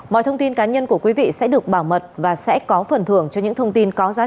mọi thông tin cá nhân của quý vị sẽ được bảo mật và sẽ có phần thưởng cho những thông tin có giá trị